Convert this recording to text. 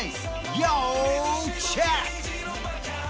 要チェック！